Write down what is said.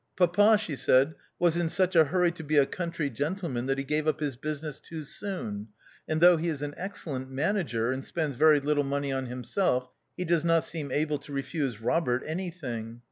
"Papa," she said, "was in such a hurry to be a country gentle man that he gave up his business too soon, and though he is an excellent manager, and spends very little money on himself, he does not seem able to refuse Robert anything.